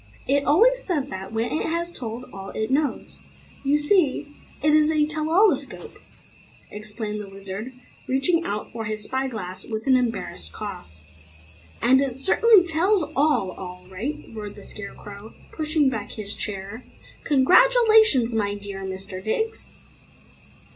"It always says that, when it has told all it knows. You see, it is a 'tell all escope.'" explained the Wizard, reaching out for his spy glass with an embarrassed cough. "And it certainly tells ALL, all right!" roared the Scarecrow, pushing back his chair. "Congratulations, my dear Mr. Diggs!"